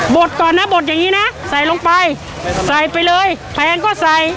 ดก่อนนะบดอย่างนี้นะใส่ลงไปใส่ไปเลยแพงก็ใส่